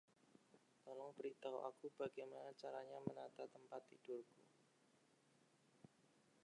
Tolong beritahu aku bagaimana caranya menata tempat tidurku.